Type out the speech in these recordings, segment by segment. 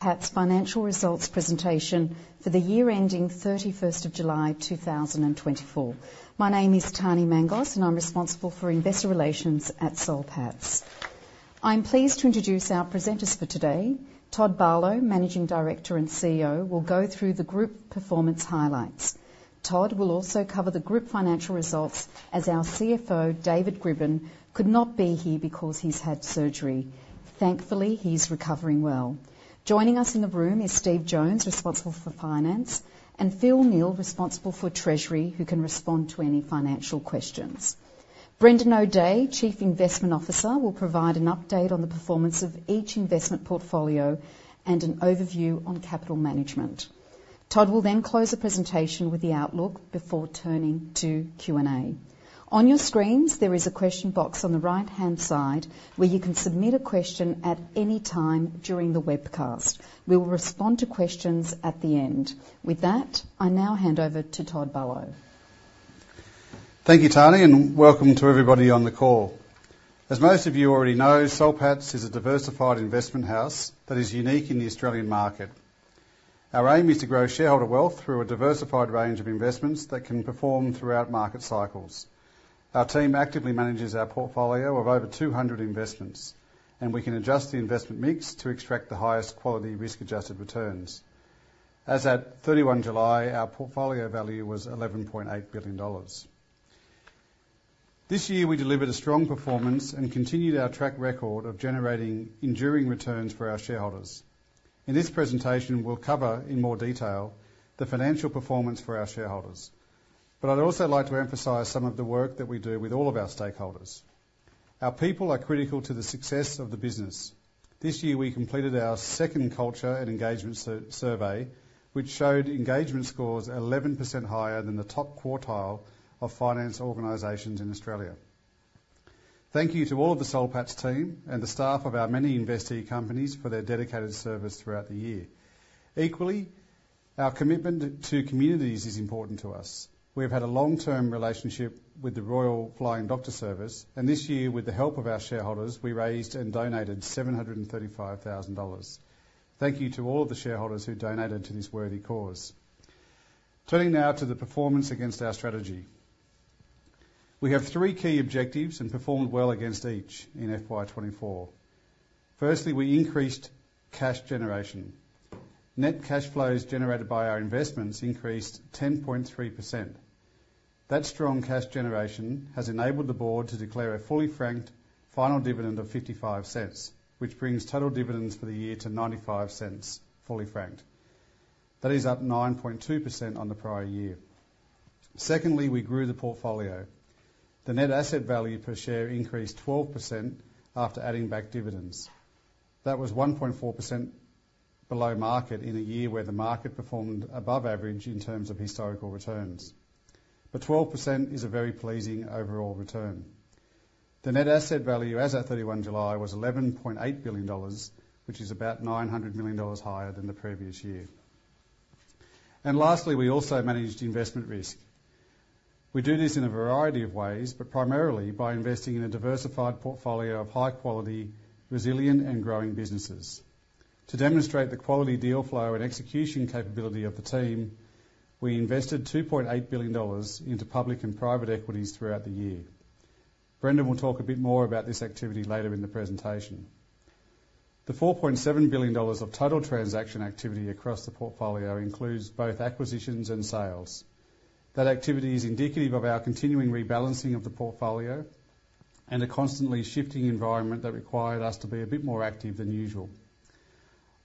Soul Patts financial results presentation for the year ending 31st of July, 2024. My name is Tanny Mangos, and I'm responsible for investor relations at Soul Patts. I'm pleased to introduce our presenters for today. Todd Barlow, Managing Director and CEO, will go through the group performance highlights. Todd will also cover the group financial results as our CFO, David Grbin, could not be here because he's had surgery. Thankfully, he's recovering well. Joining us in the room is Steve Jones, responsible for finance, and Phil Neil, responsible for treasury, who can respond to any financial questions. Brendan O'Dea, Chief Investment Officer, will provide an update on the performance of each investment portfolio and an overview on capital management. Todd will then close the presentation with the outlook before turning to Q&A. On your screens, there is a question box on the right-hand side, where you can submit a question at any time during the webcast. We will respond to questions at the end. With that, I now hand over to Todd Barlow. Thank you, Tanny, and welcome to everybody on the call. As most of you already know, Soul Patts is a diversified investment house that is unique in the Australian market. Our aim is to grow shareholder wealth through a diversified range of investments that can perform throughout market cycles. Our team actively manages our portfolio of over 200 investments, and we can adjust the investment mix to extract the highest quality risk-adjusted returns. As at 31 July, our portfolio value was 11.8 billion dollars. This year, we delivered a strong performance and continued our track record of generating enduring returns for our shareholders. In this presentation, we'll cover in more detail the financial performance for our shareholders. But I'd also like to emphasize some of the work that we do with all of our stakeholders. Our people are critical to the success of the business. This year, we completed our second culture and engagement survey, which showed engagement scores 11% higher than the top quartile of finance organizations in Australia. Thank you to all of the Soul Patts team and the staff of our many investee companies for their dedicated service throughout the year. Equally, our commitment to communities is important to us. We've had a long-term relationship with the Royal Flying Doctor Service, and this year, with the help of our shareholders, we raised and donated 735,000 dollars. Thank you to all of the shareholders who donated to this worthy cause. Turning now to the performance against our strategy. We have three key objectives and performed well against each in FY 2024. Firstly, we increased cash generation. Net cash flows generated by our investments increased 10.3%. That strong cash generation has enabled the board to declare a fully franked final dividend of 0.55, which brings total dividends for the year to 0.95, fully franked. That is up 9.2% on the prior year. Secondly, we grew the portfolio. The net asset value per share increased 12% after adding back dividends. That was 1.4% below market in a year where the market performed above average in terms of historical returns. But twelve percent is a very pleasing overall return. The net asset value as at 31 July was 11.8 billion dollars, which is about 900 million dollars higher than the previous year. And lastly, we also managed investment risk. We do this in a variety of ways, but primarily by investing in a diversified portfolio of high quality, resilient, and growing businesses. To demonstrate the quality, deal flow, and execution capability of the team, we invested 2.8 billion dollars into public and private equities throughout the year. Brendan will talk a bit more about this activity later in the presentation. The 4.7 billion dollars of total transaction activity across the portfolio includes both acquisitions and sales. That activity is indicative of our continuing rebalancing of the portfolio and a constantly shifting environment that required us to be a bit more active than usual.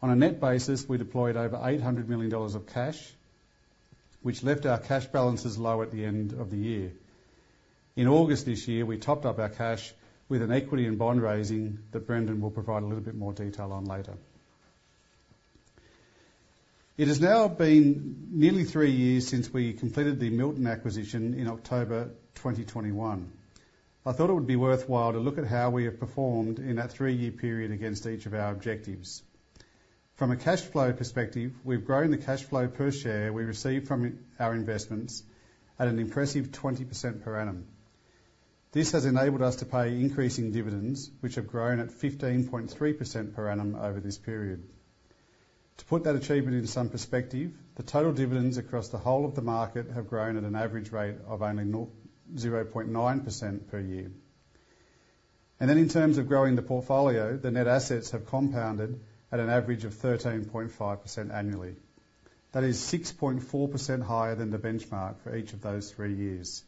On a net basis, we deployed over 800 million dollars of cash, which left our cash balances low at the end of the year. In August this year, we topped up our cash with an equity and bond raising that Brendan will provide a little bit more detail on later. It has now been nearly three years since we completed the Milton acquisition in October 2021. I thought it would be worthwhile to look at how we have performed in that three-year period against each of our objectives. From a cash flow perspective, we've grown the cash flow per share we received from our investments at an impressive 20% per annum. This has enabled us to pay increasing dividends, which have grown at 15.3% per annum over this period. To put that achievement into some perspective, the total dividends across the whole of the market have grown at an average rate of only zero point nine percent per year. And then, in terms of growing the portfolio, the net assets have compounded at an average of 13.5% annually. That is 6.4% higher than the benchmark for each of those three years.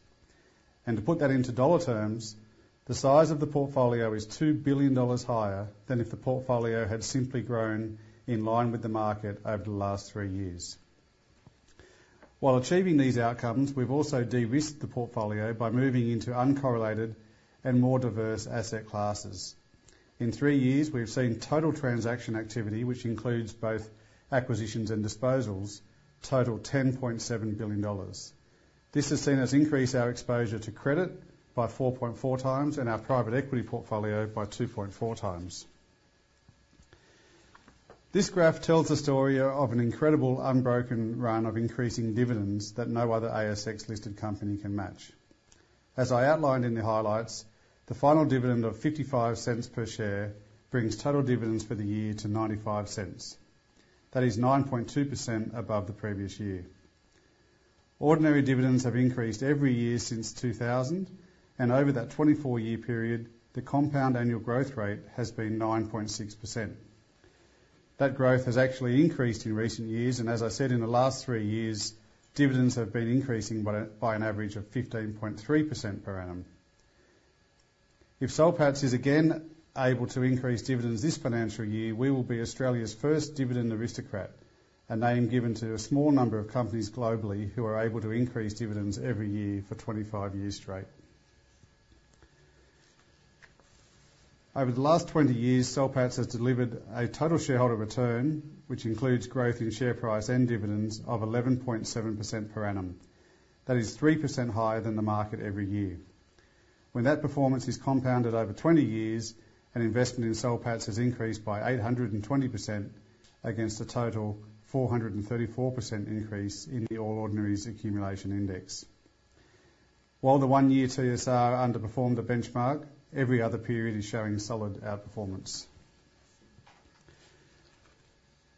And to put that into dollar terms, the size of the portfolio is 2 billion dollars higher than if the portfolio had simply grown in line with the market over the last three years. While achieving these outcomes, we've also de-risked the portfolio by moving into uncorrelated and more diverse asset classes. In three years, we've seen total transaction activity, which includes both acquisitions and disposals, total 10.7 billion dollars. This has seen us increase our exposure to credit by 4.4 times and our private equity portfolio by 2.4 times. This graph tells a story of an incredible unbroken run of increasing dividends that no other ASX-listed company can match. As I outlined in the highlights, the final dividend of 0.55 per share brings total dividends for the year to 0.95. That is 9.2% above the previous year. Ordinary dividends have increased every year since 2000, and over that 24-year period, the compound annual growth rate has been 9.6%. That growth has actually increased in recent years, and as I said, in the last 3 years, dividends have been increasing by an average of 15.3% per annum. If Soul Patts is again able to increase dividends this financial year, we will be Australia's first dividend aristocrat, a name given to a small number of companies globally who are able to increase dividends every year for 25 years straight. Over the last twenty years, Soul Patts has delivered a total shareholder return, which includes growth in share price and dividends of 11.7% per annum. That is 3% higher than the market every year. When that performance is compounded over twenty years, an investment in Soul Patts has increased by 820% against a total 434% increase in the All Ordinaries Accumulation Index. While the one-year TSR underperformed the benchmark, every other period is showing solid outperformance.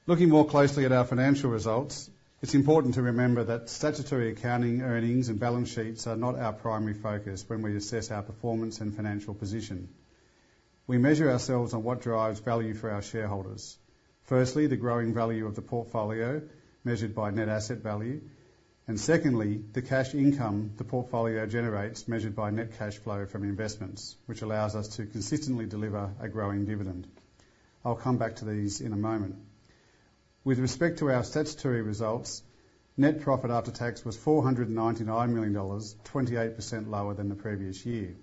Looking more closely at our financial results, it's important to remember that statutory accounting, earnings, and balance sheets are not our primary focus when we assess our performance and financial position. We measure ourselves on what drives value for our shareholders. Firstly, the growing value of the portfolio, measured by net asset value, and secondly, the cash income the portfolio generates, measured by net cash flow from investments, which allows us to consistently deliver a growing dividend. I'll come back to these in a moment. With respect to our statutory results, net profit after tax was $499 million, 28% lower than the previous year.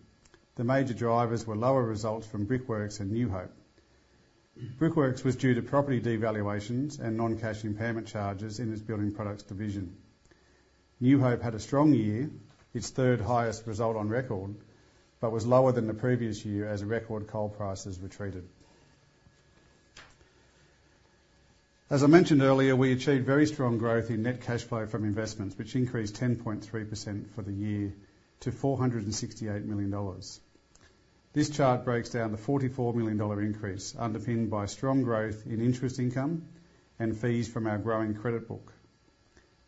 The major drivers were lower results from Brickworks and New Hope. Brickworks was due to property devaluations and non-cash impairment charges in its building products division. New Hope had a strong year, its third-highest result on record, but was lower than the previous year as record coal prices retreated. As I mentioned earlier, we achieved very strong growth in net cash flow from investments, which increased 10.3% for the year to $468 million. This chart breaks down the AUD 44 million increase, underpinned by strong growth in interest income and fees from our growing credit book,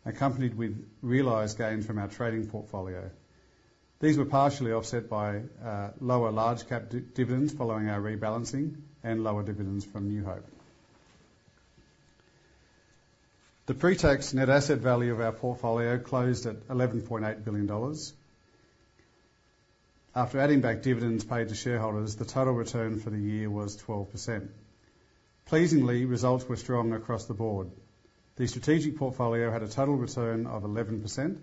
accompanied with realized gains from our trading portfolio. These were partially offset by lower large cap dividends following our rebalancing and lower dividends from New Hope. The pre-tax net asset value of our portfolio closed at 11.8 billion dollars. After adding back dividends paid to shareholders, the total return for the year was 12%. Pleasingly, results were strong across the board. The strategic portfolio had a total return of 11%.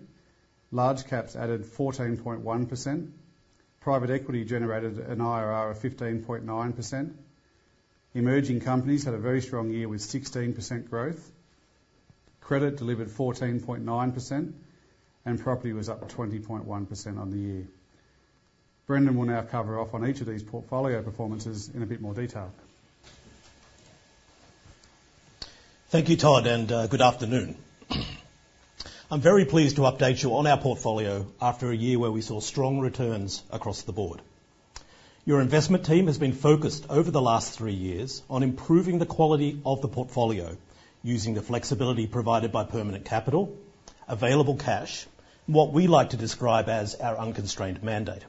Large caps added 14.1%. Private equity generated an IRR of 15.9%. Emerging companies had a very strong year with 16% growth. Credit delivered 14.9%, and property was up 20.1% on the year. Brendan will now cover off on each of these portfolio performances in a bit more detail. Thank you, Todd, and good afternoon. I'm very pleased to update you on our portfolio after a year where we saw strong returns across the board. Your investment team has been focused over the last three years on improving the quality of the portfolio, using the flexibility provided by permanent capital, available cash, and what we like to describe as our unconstrained mandate.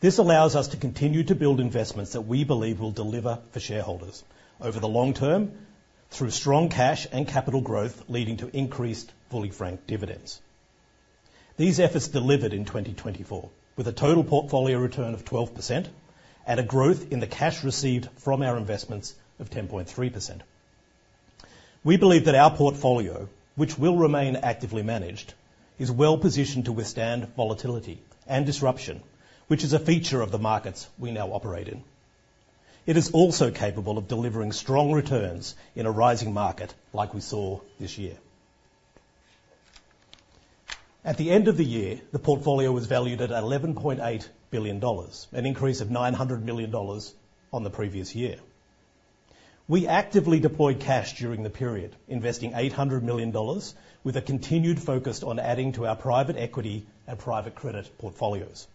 This allows us to continue to build investments that we believe will deliver for shareholders over the long term, through strong cash and capital growth, leading to increased fully franked dividends. These efforts delivered in 2024, with a total portfolio return of 12% and a growth in the cash received from our investments of 10.3%. We believe that our portfolio, which will remain actively managed, is well-positioned to withstand volatility and disruption, which is a feature of the markets we now operate in. It is also capable of delivering strong returns in a rising market, like we saw this year. At the end of the year, the portfolio was valued at 11.8 billion dollars, an increase of 900 million dollars on the previous year. We actively deployed cash during the period, investing 800 million dollars, with a continued focus on adding to our private equity and private credit portfolios.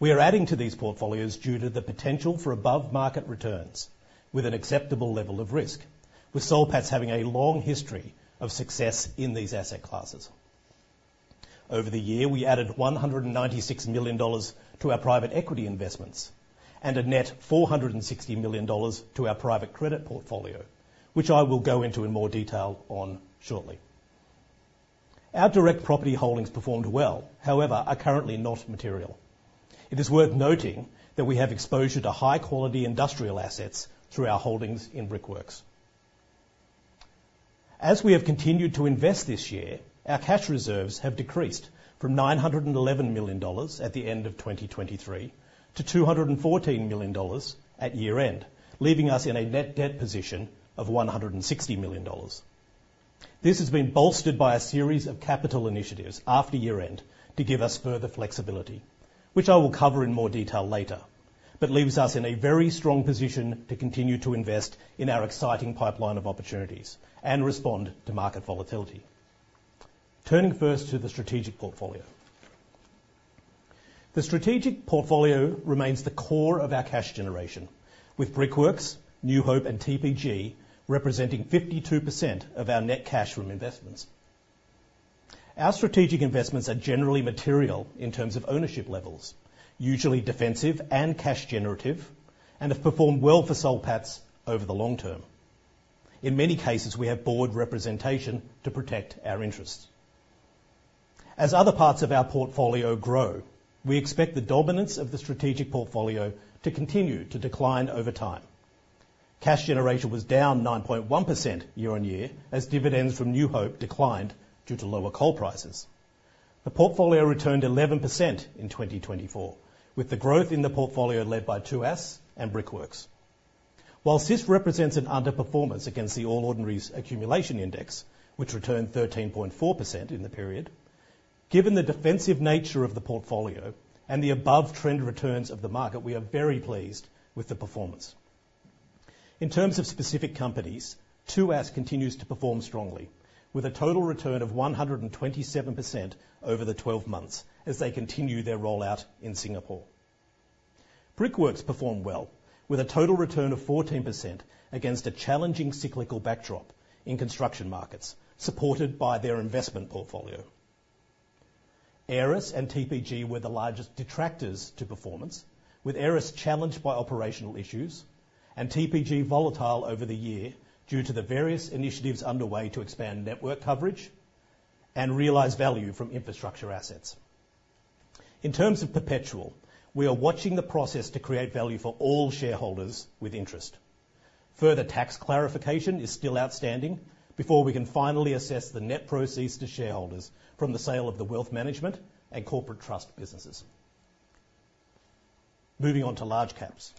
We are adding to these portfolios due to the potential for above-market returns with an acceptable level of risk, with Soul Patts having a long history of success in these asset classes. Over the year, we added 196 million dollars to our private equity investments and a net 460 million dollars to our private credit portfolio, which I will go into in more detail on shortly. Our direct property holdings performed well, however, are currently not material. It is worth noting that we have exposure to high-quality industrial assets through our holdings in Brickworks. As we have continued to invest this year, our cash reserves have decreased from 911 million dollars at the end of 2023 to 214 million dollars at year-end, leaving us in a net debt position of 160 million dollars. This has been bolstered by a series of capital initiatives after year-end to give us further flexibility, which I will cover in more detail later. But leaves us in a very strong position to continue to invest in our exciting pipeline of opportunities and respond to market volatility. Turning first to the strategic portfolio. The strategic portfolio remains the core of our cash generation, with Brickworks, New Hope, and TPG representing 52% of our net cash from investments. Our strategic investments are generally material in terms of ownership levels, usually defensive and cash generative, and have performed well for Soul Patts over the long term. In many cases, we have board representation to protect our interests. As other parts of our portfolio grow, we expect the dominance of the strategic portfolio to continue to decline over time. Cash generation was down 9.1% year on year, as dividends from New Hope declined due to lower coal prices. The portfolio returned 11% in 2024, with the growth in the portfolio led by TPG and Brickworks. While this represents an underperformance against the All Ordinaries Accumulation Index, which returned 13.4% in the period, given the defensive nature of the portfolio and the above-trend returns of the market, we are very pleased with the performance. In terms of specific companies, Tuas continues to perform strongly, with a total return of 127% over the twelve months as they continue their rollout in Singapore. Brickworks performed well, with a total return of 14% against a challenging cyclical backdrop in construction markets, supported by their investment portfolio. Aeris and TPG were the largest detractors to performance, with Aeris challenged by operational issues and TPG volatile over the year due to the various initiatives underway to expand network coverage and realize value from infrastructure assets. In terms of Perpetual, we are watching the process to create value for all shareholders with interest. Further tax clarification is still outstanding before we can finally assess the net proceeds to shareholders from the sale of the wealth management and corporate trust businesses. Moving on to large caps.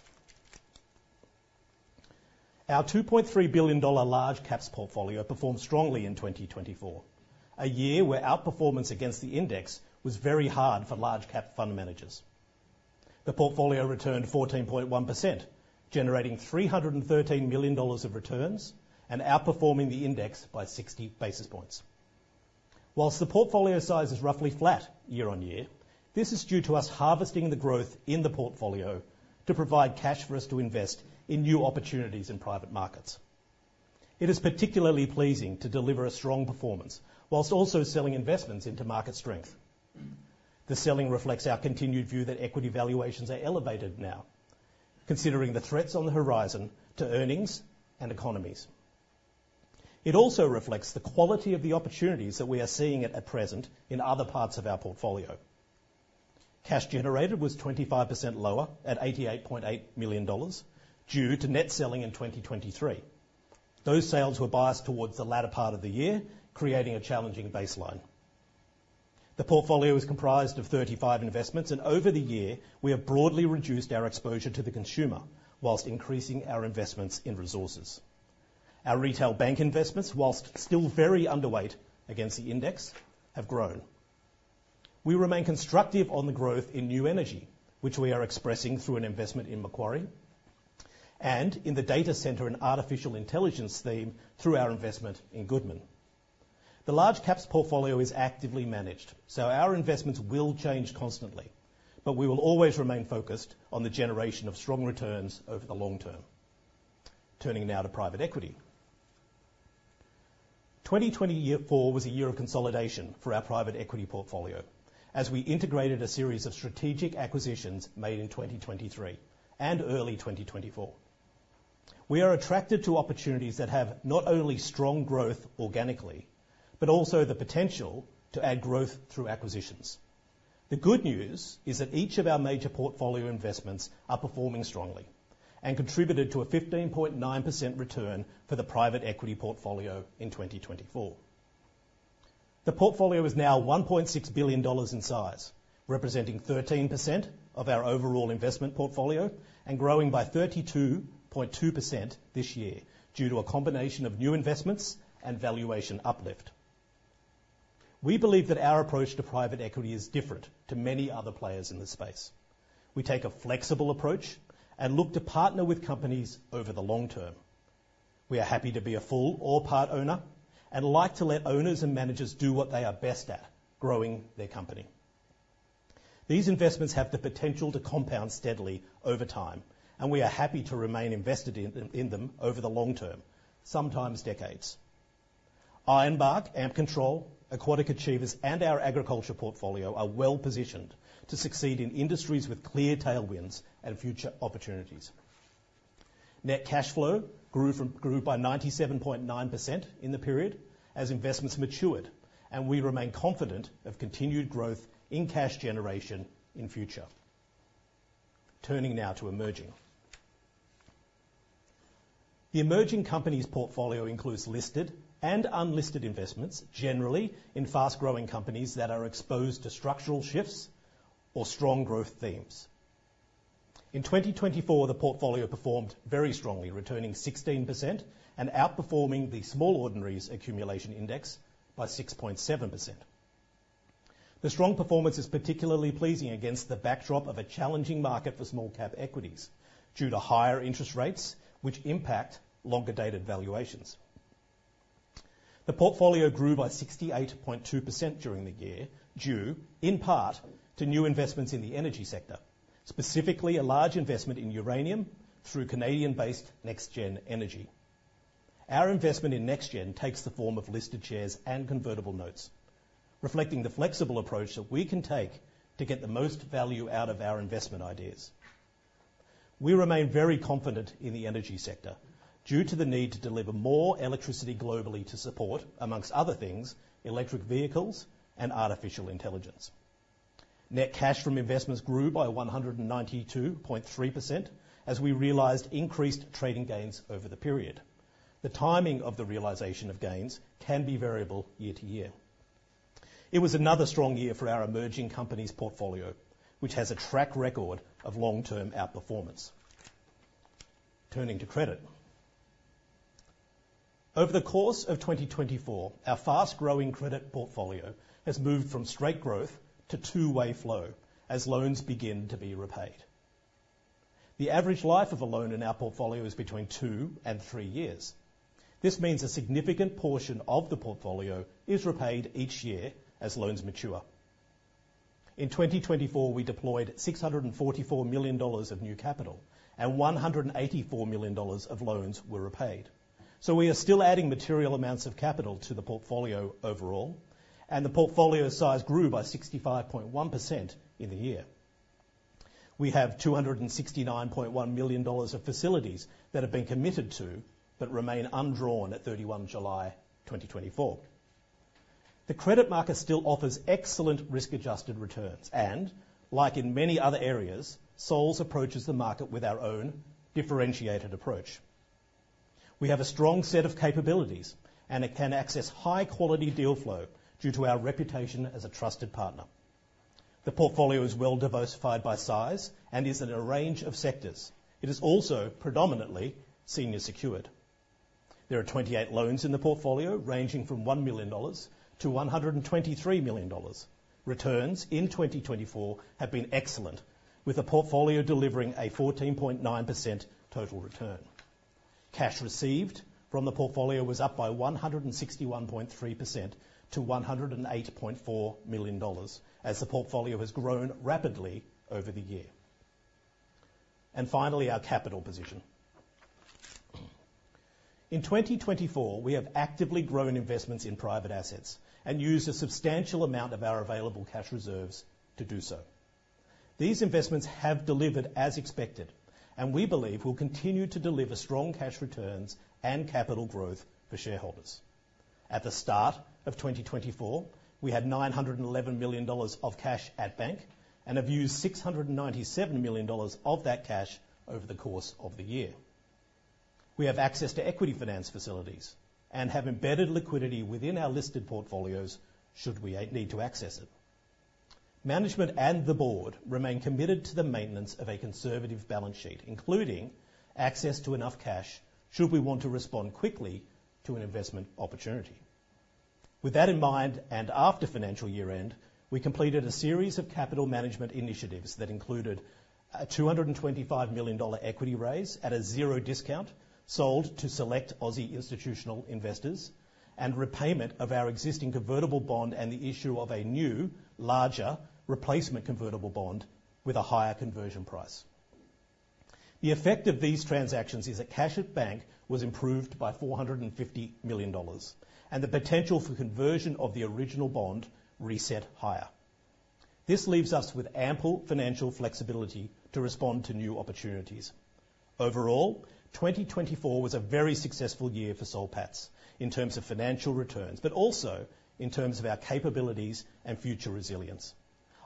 Our 2.3 billion dollar large caps portfolio performed strongly in 2024, a year where outperformance against the index was very hard for large cap fund managers. The portfolio returned 14.1%, generating 313 million dollars of returns and outperforming the index by 60 basis points. While the portfolio size is roughly flat year on year, this is due to us harvesting the growth in the portfolio to provide cash for us to invest in new opportunities in private markets. It is particularly pleasing to deliver a strong performance while also selling investments into market strength. The selling reflects our continued view that equity valuations are elevated now, considering the threats on the horizon to earnings and economies. It also reflects the quality of the opportunities that we are seeing at present in other parts of our portfolio. Cash generated was 25% lower at $88.8 million due to net selling in 2023. Those sales were biased towards the latter part of the year, creating a challenging baseline. The portfolio is comprised of thirty-five investments, and over the year, we have broadly reduced our exposure to the consumer while increasing our investments in resources. Our retail bank investments, while still very underweight against the index, have grown. We remain constructive on the growth in new energy, which we are expressing through an investment in Macquarie, and in the data center and artificial intelligence theme through our investment in Goodman. The large caps portfolio is actively managed, so our investments will change constantly, but we will always remain focused on the generation of strong returns over the long term. Turning now to private equity. 2024 was a year of consolidation for our private equity portfolio, as we integrated a series of strategic acquisitions made in 2023 and early 2024. We are attracted to opportunities that have not only strong growth organically, but also the potential to add growth through acquisitions. The good news is that each of our major portfolio investments are performing strongly and contributed to a 15.9% return for the private equity portfolio in 2024. The portfolio is now 1.6 billion dollars in size, representing 13% of our overall investment portfolio and growing by 32.2% this year due to a combination of new investments and valuation uplift. We believe that our approach to private equity is different to many other players in this space. We take a flexible approach and look to partner with companies over the long term. We are happy to be a full or part owner and like to let owners and managers do what they are best at, growing their company. These investments have the potential to compound steadily over time, and we are happy to remain invested in them over the long term, sometimes decades. Ironbark, Ampcontrol, Aquatic Achievers, and our agriculture portfolio are well positioned to succeed in industries with clear tailwinds and future opportunities. Net cash flow grew by 97.9% in the period as investments matured, and we remain confident of continued growth in cash generation in future. Turning now to emerging. The emerging companies portfolio includes listed and unlisted investments, generally in fast-growing companies that are exposed to structural shifts or strong growth themes. In 2024, the portfolio performed very strongly, returning 16% and outperforming the Small Ordinaries Accumulation Index by 6.7%. The strong performance is particularly pleasing against the backdrop of a challenging market for small cap equities, due to higher interest rates, which impact longer-dated valuations. The portfolio grew by 68.2% during the year, due in part to new investments in the energy sector, specifically a large investment in uranium through Canadian-based NexGen Energy. Our investment in NexGen takes the form of listed shares and convertible notes, reflecting the flexible approach that we can take to get the most value out of our investment ideas. We remain very confident in the energy sector due to the need to deliver more electricity globally to support, amongst other things, electric vehicles and artificial intelligence. Net cash from investments grew by 192.3% as we realized increased trading gains over the period. The timing of the realization of gains can be variable year to year. It was another strong year for our emerging companies portfolio, which has a track record of long-term outperformance. Turning to credit. Over the course of 2024, our fast-growing credit portfolio has moved from straight growth to two-way flow as loans begin to be repaid. The average life of a loan in our portfolio is between two and three years. This means a significant portion of the portfolio is repaid each year as loans mature. In 2024, we deployed 644 million dollars of new capital, and 184 million dollars of loans were repaid. We are still adding material amounts of capital to the portfolio overall, and the portfolio size grew by 65.1% in the year. We have 269.1 million dollars of facilities that have been committed to but remain undrawn at 31 July 2024. The credit market still offers excellent risk-adjusted returns, and like in many other areas, Sols approaches the market with our own differentiated approach. We have a strong set of capabilities, and it can access high-quality deal flow due to our reputation as a trusted partner. The portfolio is well diversified by size and is in a range of sectors. It is also predominantly senior secured. There are 28 loans in the portfolio, ranging from 1 million dollars to 123 million dollars. Returns in 2024 have been excellent, with the portfolio delivering a 14.9% total return. Cash received from the portfolio was up by 161.3% to 108.4 million dollars, as the portfolio has grown rapidly over the year. And finally, our capital position. In 2024, we have actively grown investments in private assets and used a substantial amount of our available cash reserves to do so. These investments have delivered as expected, and we believe will continue to deliver strong cash returns and capital growth for shareholders. At the start of 2024, we had 911 million dollars of cash at bank and have used 697 million dollars of that cash over the course of the year. We have access to equity finance facilities and have embedded liquidity within our listed portfolios should we need to access it. Management and the board remain committed to the maintenance of a conservative balance sheet, including access to enough cash should we want to respond quickly to an investment opportunity. With that in mind, and after financial year-end, we completed a series of capital management initiatives that included a 225 million dollar equity raise at a 0% discount, sold to select Aussie institutional investors, and repayment of our existing convertible bond, and the issue of a new, larger replacement convertible bond with a higher conversion price. The effect of these transactions is that cash at bank was improved by 450 million dollars, and the potential for conversion of the original bond reset higher. This leaves us with ample financial flexibility to respond to new opportunities. Overall, 2024 was a very successful year for Soul Patts in terms of financial returns, but also in terms of our capabilities and future resilience.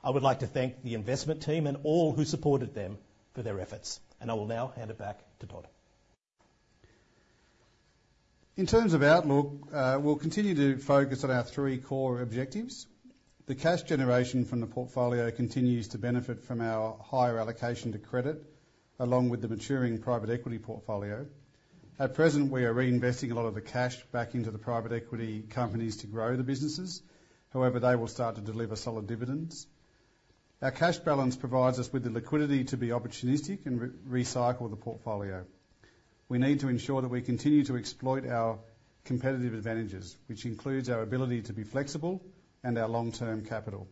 I would like to thank the investment team and all who supported them for their efforts, and I will now hand it back to Todd. In terms of outlook, we'll continue to focus on our three core objectives. The cash generation from the portfolio continues to benefit from our higher allocation to credit, along with the maturing private equity portfolio. At present, we are reinvesting a lot of the cash back into the private equity companies to grow the businesses. However, they will start to deliver solid dividends. Our cash balance provides us with the liquidity to be opportunistic and recycle the portfolio. We need to ensure that we continue to exploit our competitive advantages, which includes our ability to be flexible and our long-term capital.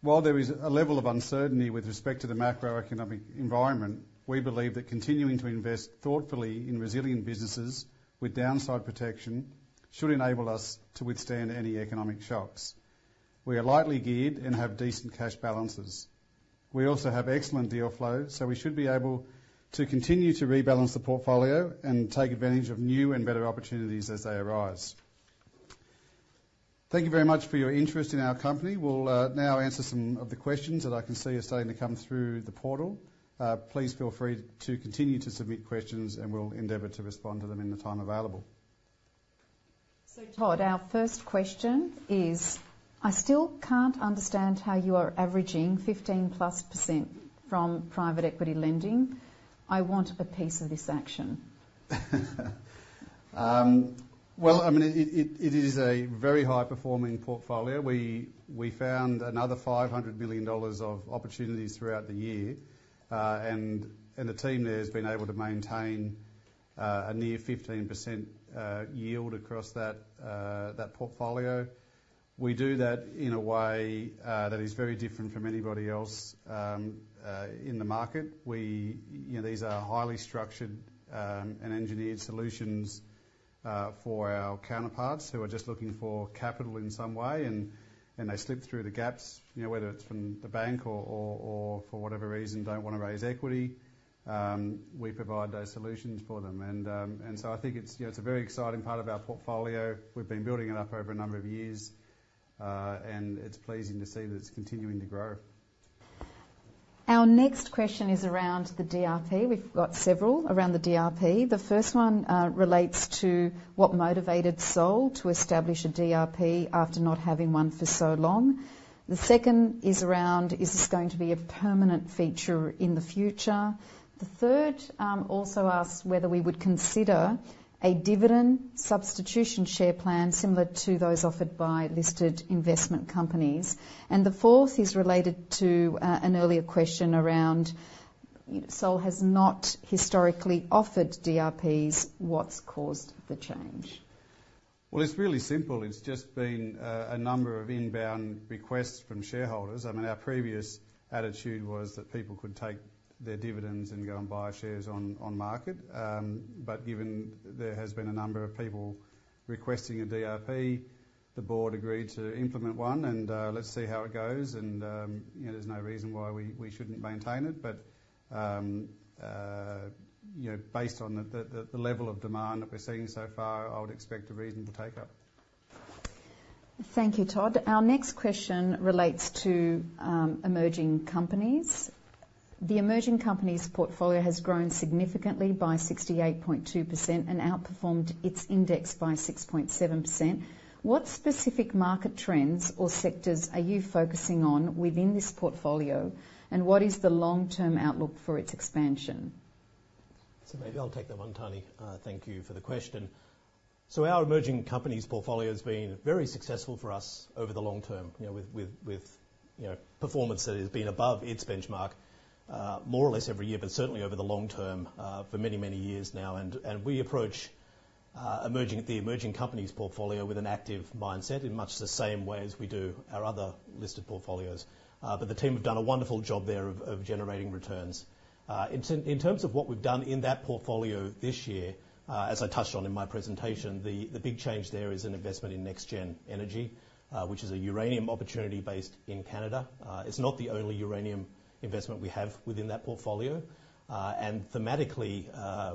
While there is a level of uncertainty with respect to the macroeconomic environment, we believe that continuing to invest thoughtfully in resilient businesses with downside protection should enable us to withstand any economic shocks. We are lightly geared and have decent cash balances. We also have excellent deal flow, so we should be able to continue to rebalance the portfolio and take advantage of new and better opportunities as they arise. Thank you very much for your interest in our company. We'll now answer some of the questions that I can see are starting to come through the portal. Please feel free to continue to submit questions, and we'll endeavor to respond to them in the time available. Todd, our first question is: I still can't understand how you are averaging 15 plus % from private equity lending. I want a piece of this action.... Well, I mean, it is a very high-performing portfolio. We found another $500 million of opportunities throughout the year, and the team there has been able to maintain a near 15% yield across that portfolio. We do that in a way that is very different from anybody else in the market. We. You know, these are highly structured and engineered solutions for our counterparts who are just looking for capital in some way, and they slip through the gaps, you know, whether it's from the bank or for whatever reason, don't wanna raise equity. We provide those solutions for them. So I think it's, you know, it's a very exciting part of our portfolio. We've been building it up over a number of years, and it's pleasing to see that it's continuing to grow. Our next question is around the DRP. We've got several around the DRP. The first one relates to what motivated SOL to establish a DRP after not having one for so long. The second is around, is this going to be a permanent feature in the future? The third also asks whether we would consider a dividend substitution share plan similar to those offered by listed investment companies. And the fourth is related to an earlier question around SOL has not historically offered DRPs. What's caused the change? It's really simple. It's just been a number of inbound requests from shareholders. I mean, our previous attitude was that people could take their dividends and go and buy shares on market. But given there has been a number of people requesting a DRP, the board agreed to implement one, and let's see how it goes. You know, there's no reason why we shouldn't maintain it. You know, based on the level of demand that we're seeing so far, I would expect a reason to take up. Thank you, Todd. Our next question relates to emerging companies. The emerging companies' portfolio has grown significantly by 68.2% and outperformed its index by 6.7%. What specific market trends or sectors are you focusing on within this portfolio, and what is the long-term outlook for its expansion? So maybe I'll take that one, Tanny. Thank you for the question. Our emerging companies portfolio has been very successful for us over the long term, you know, with performance that has been above its benchmark more or less every year, but certainly over the long term for many, many years now. We approach the emerging companies portfolio with an active mindset in much the same way as we do our other listed portfolios. But the team have done a wonderful job there of generating returns. In terms of what we've done in that portfolio this year, as I touched on in my presentation, the big change there is an investment in NexGen Energy, which is a uranium opportunity based in Canada. It's not the only uranium investment we have within that portfolio. And thematically,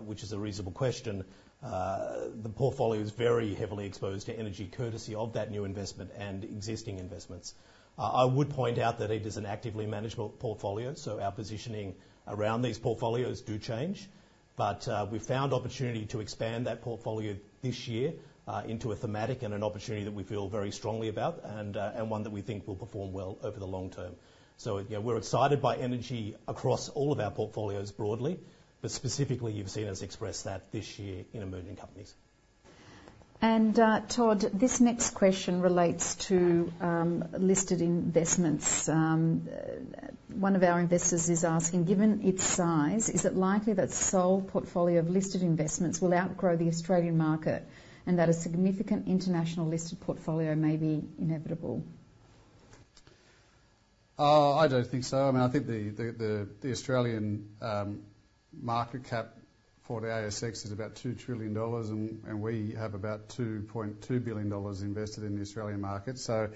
which is a reasonable question, the portfolio is very heavily exposed to energy, courtesy of that new investment and existing investments. I would point out that it is an actively manageable portfolio, so our positioning around these portfolios do change. But, we found opportunity to expand that portfolio this year, into a thematic and an opportunity that we feel very strongly about and, and one that we think will perform well over the long term. So, you know, we're excited by energy across all of our portfolios broadly, but specifically, you've seen us express that this year in emerging companies. Todd, this next question relates to listed investments. One of our investors is asking: Given its size, is it likely that Soul portfolio of listed investments will outgrow the Australian market, and that a significant international listed portfolio may be inevitable? I don't think so. I mean, I think the Australian market cap for the ASX is about 2 trillion dollars, and we have about 2.2 billion dollars invested in the Australian market. So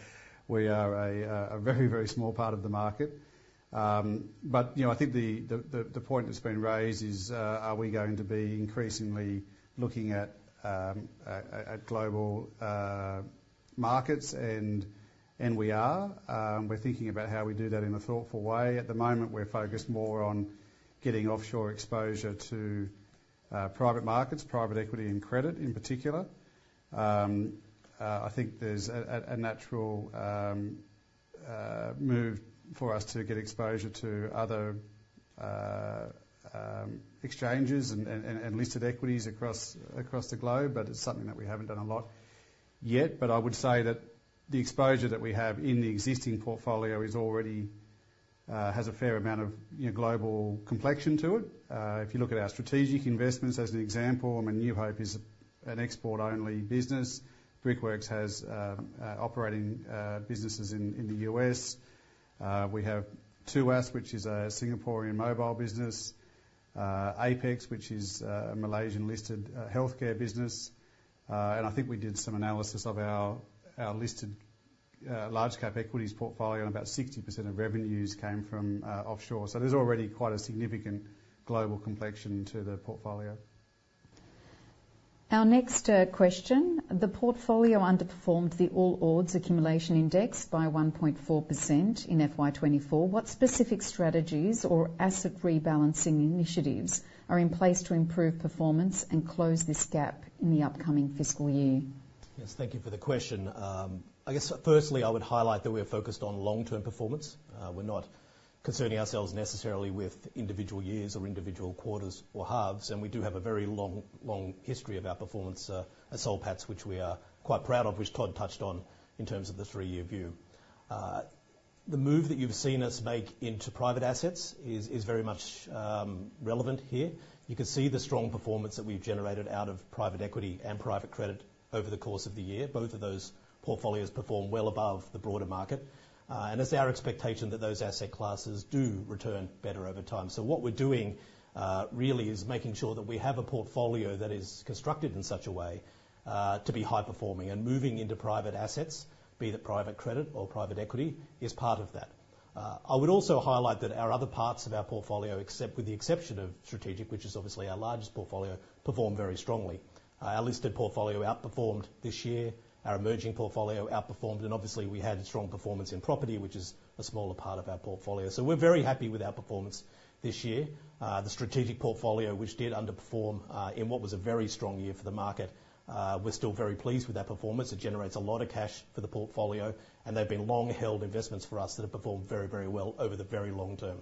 we are a very, very small part of the market. But, you know, I think the point that's been raised is, are we going to be increasingly looking at global markets? And we are. We're thinking about how we do that in a thoughtful way. At the moment, we're focused more on getting offshore exposure to private markets, private equity and credit in particular. I think there's a natural move for us to get exposure to other exchanges and listed equities across the globe, but it's something that we haven't done a lot yet. But I would say that the exposure that we have in the existing portfolio is already has a fair amount of, you know, global complexion to it. If you look at our strategic investments as an example, I mean, New Hope is an export-only business. Brickworks has operating businesses in the U.S. We have Tuas, which is a Singaporean mobile business, Apex, which is a Malaysian-listed healthcare business. And I think we did some analysis of our listed large cap equities portfolio, and about 60% of revenues came from offshore. So there's already quite a significant global complexion to the portfolio. Our next question: The portfolio underperformed the All Ords accumulation index by 1.4% in FY 2024. What specific strategies or asset rebalancing initiatives are in place to improve performance and close this gap in the upcoming fiscal year? ... Yes, thank you for the question. I guess firstly, I would highlight that we are focused on long-term performance. We're not concerning ourselves necessarily with individual years or individual quarters or halves, and we do have a very long, long history of our performance at Soul Patts, which we are quite proud of, which Todd touched on in terms of the three-year view. The move that you've seen us make into private assets is very much relevant here. You can see the strong performance that we've generated out of private equity and private credit over the course of the year. Both of those portfolios perform well above the broader market, and it's our expectation that those asset classes do return better over time. So what we're doing, really is making sure that we have a portfolio that is constructed in such a way, to be high performing, and moving into private assets, be it private credit or private equity, is part of that. I would also highlight that our other parts of our portfolio, except with the exception of strategic, which is obviously our largest portfolio, performed very strongly. Our listed portfolio outperformed this year, our emerging portfolio outperformed, and obviously, we had strong performance in property, which is a smaller part of our portfolio. So we're very happy with our performance this year. The strategic portfolio, which did underperform, in what was a very strong year for the market, we're still very pleased with that performance. It generates a lot of cash for the portfolio, and they've been long-held investments for us that have performed very, very well over the very long term.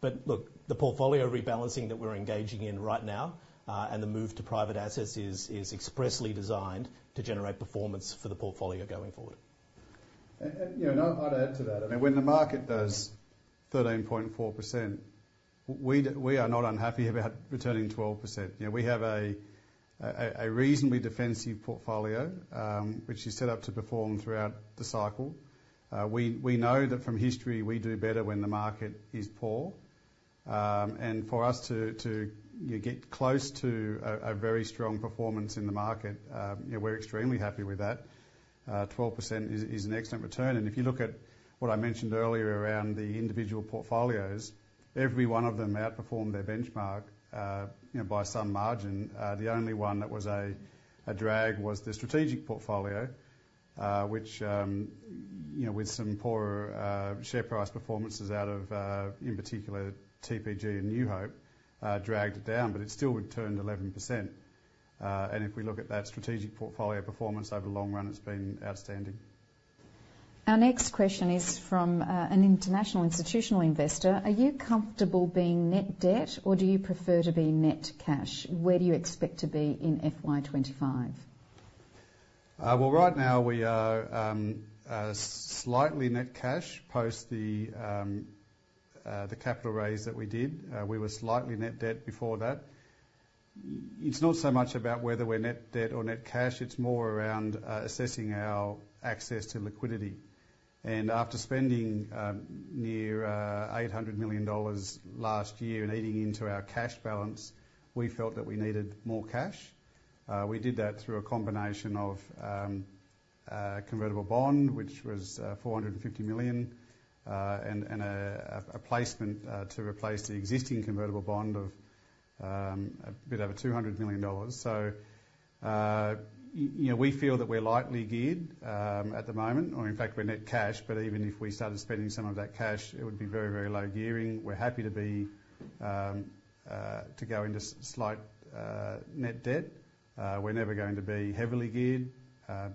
But look, the portfolio rebalancing that we're engaging in right now, and the move to private assets is expressly designed to generate performance for the portfolio going forward. You know, I'd add to that. I mean, when the market does 13.4%, we are not unhappy about returning 12%. You know, we have a reasonably defensive portfolio, which is set up to perform throughout the cycle. We know that from history, we do better when the market is poor. And for us to get close to a very strong performance in the market, you know, we're extremely happy with that. 12% is an excellent return, and if you look at what I mentioned earlier around the individual portfolios, every one of them outperformed their benchmark, you know, by some margin. The only one that was a drag was the strategic portfolio, which, you know, with some poorer share price performances out of, in particular TPG and New Hope, dragged it down, but it still returned 11%, and if we look at that strategic portfolio performance over the long run, it's been outstanding. Our next question is from an international institutional investor: Are you comfortable being net debt, or do you prefer to be net cash? Where do you expect to be in FY 2025? Right now we are slightly net cash post the capital raise that we did. We were slightly net debt before that. It's not so much about whether we're net debt or net cash, it's more around assessing our access to liquidity. And after spending near 800 million dollars last year and eating into our cash balance, we felt that we needed more cash. We did that through a combination of a convertible bond, which was 450 million, and a placement to replace the existing convertible bond of a bit over 200 million dollars. So, you know, we feel that we're lightly geared, at the moment, or in fact, we're net cash, but even if we started spending some of that cash, it would be very, very low gearing. We're happy to be, to go into slight, net debt. We're never going to be heavily geared,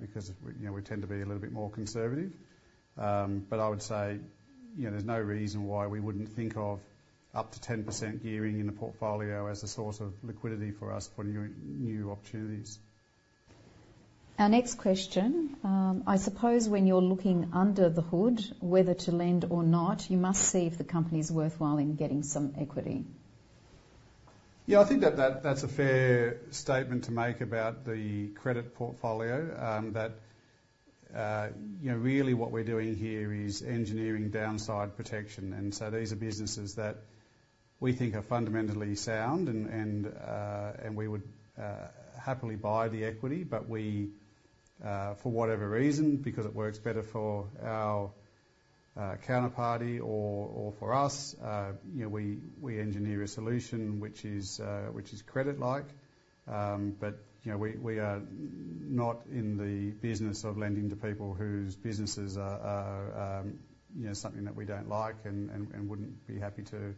because, you know, we tend to be a little bit more conservative. But I would say, you know, there's no reason why we wouldn't think of up to 10% gearing in the portfolio as a source of liquidity for us for new, new opportunities. Our next question: I suppose when you're looking under the hood, whether to lend or not, you must see if the company's worthwhile in getting some equity. Yeah, I think that's a fair statement to make about the credit portfolio. You know, really what we're doing here is engineering downside protection, and so these are businesses that we think are fundamentally sound, and we would happily buy the equity. But for whatever reason, because it works better for our counterparty or for us, you know, we engineer a solution which is credit-like. But you know, we are not in the business of lending to people whose businesses are something that we don't like and wouldn't be happy to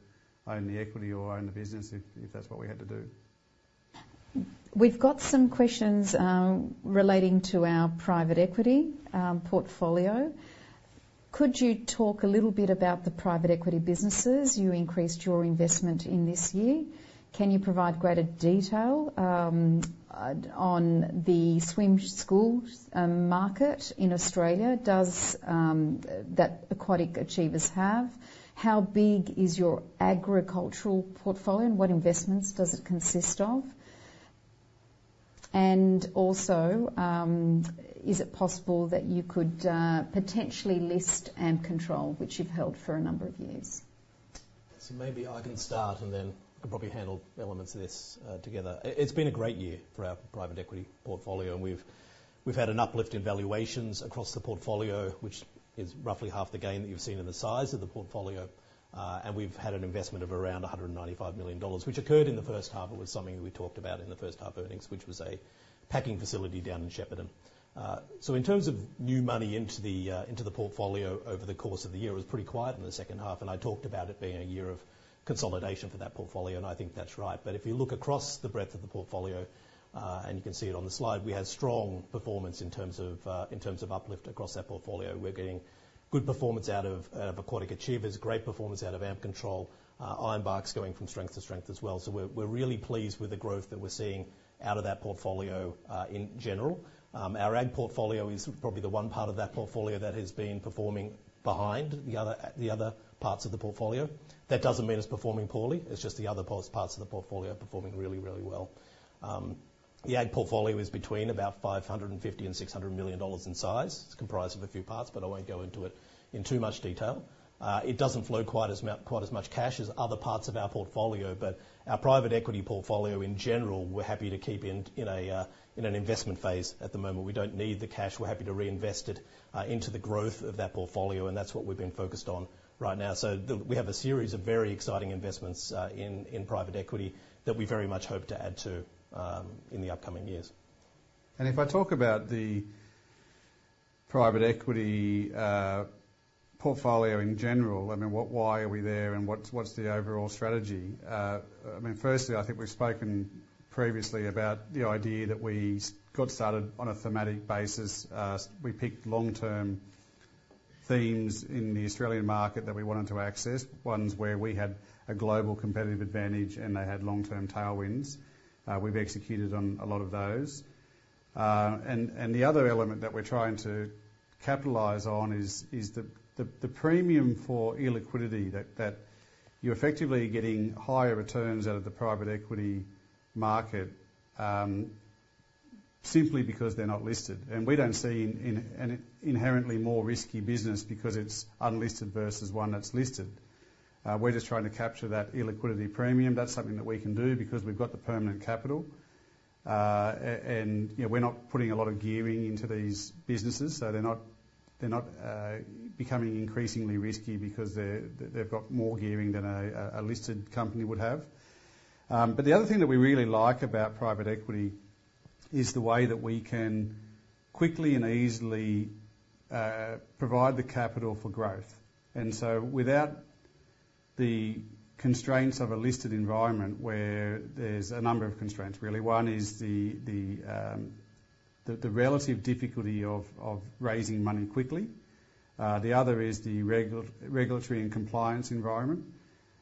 own the equity or own the business if that's what we had to do. We've got some questions relating to our private equity portfolio. Could you talk a little bit about the private equity businesses? You increased your investment in this year. Can you provide greater detail on the swim school market in Australia does that Aquatic Achievers have? How big is your agricultural portfolio, and what investments does it consist of? And also, is it possible that you could potentially list and control, which you've held for a number of years? Maybe I can start, and then we can probably handle elements of this together. It's been a great year for our private equity portfolio, and we've had an uplift in valuations across the portfolio, which is roughly half the gain that you've seen in the size of the portfolio. And we've had an investment of around 195 million dollars, which occurred in the first half. It was something we talked about in the first half earnings, which was a packing facility down in Shepparton. So in terms of new money into the portfolio over the course of the year, it was pretty quiet in the second half, and I talked about it being a year of consolidation for that portfolio, and I think that's right. But if you look across the breadth of the portfolio, and you can see it on the slide, we had strong performance in terms of uplift across that portfolio. We're getting good performance out of Aquatic Achievers, great performance out of Ampcontrol, Ironbark's going from strength to strength as well. So we're really pleased with the growth that we're seeing out of that portfolio, in general. Our ag portfolio is probably the one part of that portfolio that has been performing behind the other parts of the portfolio. That doesn't mean it's performing poorly, it's just the other parts of the portfolio are performing really, really well. The ag portfolio is between about $550 million and $600 million in size. It's comprised of a few parts, but I won't go into it in too much detail. It doesn't flow quite as much cash as other parts of our portfolio, but our private equity portfolio, in general, we're happy to keep in an investment phase at the moment. We don't need the cash. We're happy to reinvest it into the growth of that portfolio, and that's what we've been focused on right now. So we have a series of very exciting investments in private equity that we very much hope to add to in the upcoming years. If I talk about the private equity portfolio in general, I mean, what, why are we there, and what's the overall strategy? I mean, firstly, I think we've spoken previously about the idea that we got started on a thematic basis. We picked long-term themes in the Australian market that we wanted to access, ones where we had a global competitive advantage, and they had long-term tailwinds. We've executed on a lot of those. And the other element that we're trying to capitalize on is the premium for illiquidity, that you're effectively getting higher returns out of the private equity market, simply because they're not listed. We don't see an inherently more risky business because it's unlisted versus one that's listed. We're just trying to capture that illiquidity premium. That's something that we can do because we've got the permanent capital. And, you know, we're not putting a lot of gearing into these businesses, so they're not becoming increasingly risky because they've got more gearing than a listed company would have. But the other thing that we really like about private equity is the way that we can quickly and easily provide the capital for growth. And so without the constraints of a listed environment, where there's a number of constraints, really: One is the relative difficulty of raising money quickly. The other is the regulatory and compliance environment.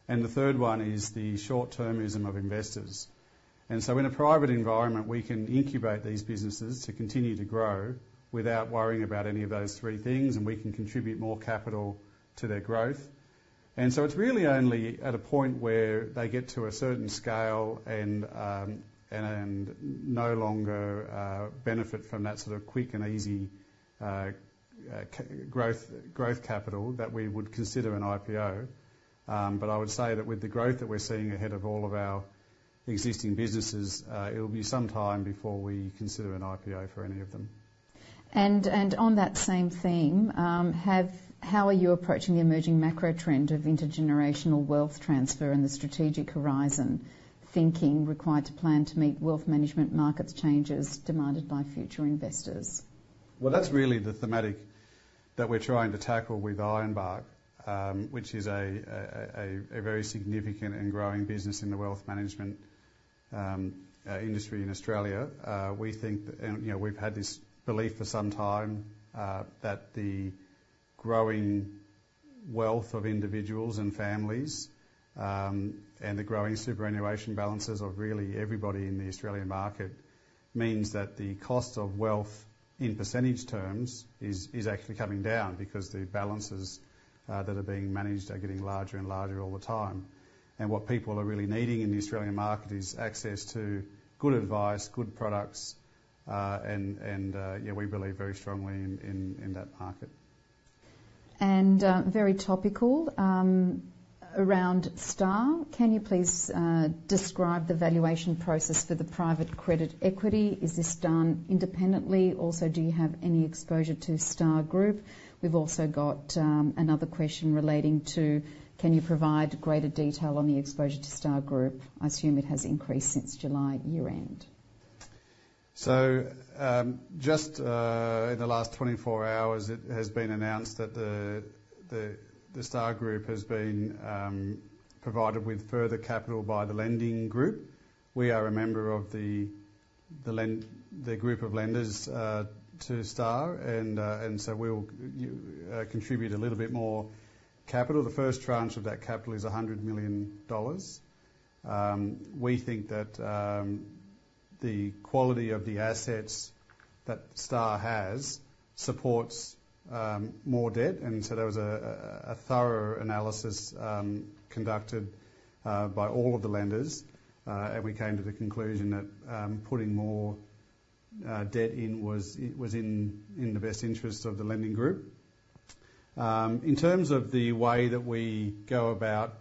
And the third one is the short-termism of investors. And so in a private environment, we can incubate these businesses to continue to grow without worrying about any of those three things, and we can contribute more capital to their growth. And so it's really only at a point where they get to a certain scale and no longer benefit from that sort of quick and easy growth capital that we would consider an IPO. But I would say that with the growth that we're seeing ahead of all of our existing businesses, it'll be some time before we consider an IPO for any of them. On that same theme, how are you approaching the emerging macro trend of intergenerational wealth transfer and the strategic horizon thinking required to plan to meet wealth management markets changes demanded by future investors? Well, that's really the thematic that we're trying to tackle with Ironbark, which is a very significant and growing business in the wealth management industry in Australia. We think that... And, you know, we've had this belief for some time, that the growing wealth of individuals and families, and the growing superannuation balances of really everybody in the Australian market, means that the cost of wealth, in percentage terms, is actually coming down because the balances that are being managed are getting larger and larger all the time. And what people are really needing in the Australian market is access to good advice, good products, and yeah, we believe very strongly in that market. Very topical, around Star: Can you please describe the valuation process for the private credit equity? Is this done independently? Also, do you have any exposure to Star Group? We've also got another question relating to: Can you provide greater detail on the exposure to Star Group? I assume it has increased since July year-end. So just in the last twenty-four hours, it has been announced that the Star Group has been provided with further capital by the lending group. We are a member of the group of lenders to Star, and so we will contribute a little bit more capital. The first tranche of that capital is 100 million dollars. We think that the quality of the assets that Star has supports more debt, and so there was a thorough analysis conducted by all of the lenders. We came to the conclusion that putting more debt in was in the best interests of the lending group. In terms of the way that we go about